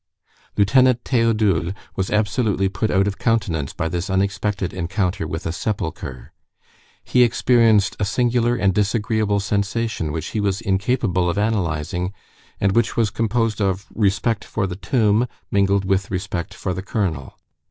Lieutenant Théodule was absolutely put out of countenance by this unexpected encounter with a sepulchre; he experienced a singular and disagreeable sensation which he was incapable of analyzing, and which was composed of respect for the tomb, mingled with respect for the colonel.